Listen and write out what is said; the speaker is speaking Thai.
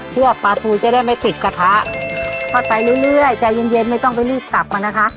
เพื่อปลาทูจะได้ไม่ติดกระทะทอดไปเรื่อยใจเย็นเย็นไม่ต้องไปรีบตับอ่ะนะคะ